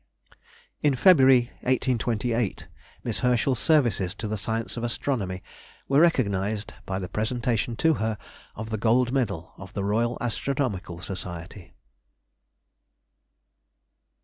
In February, 1828, Miss Herschel's services to the Science of Astronomy were recognized by the presentation to her of the Gold Medal of the Royal Astronomical Society.